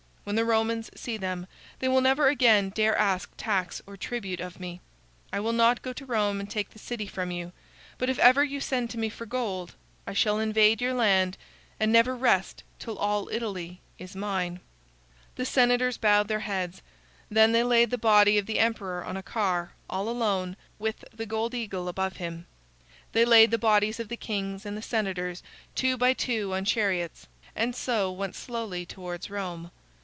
When the Romans see them they will never again dare ask tax or tribute of me. I will not go to Rome and take the city from you, but if ever you send to me for gold, I shall invade your land and never rest till all Italy is mine." The senators bowed their heads. Then they laid the body of the emperor on a car, all alone, with the gold eagle above him. They laid the bodies of the kings and the senators two by two on chariots, and so went slowly towards Rome.